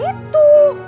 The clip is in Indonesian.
iya emang begitu